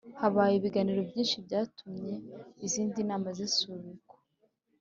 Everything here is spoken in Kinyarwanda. Habaye ibiganiro byinshi byatumye izindi nama zisubikwa